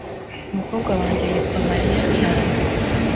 umukobwa wanjye yitwa mariya cyane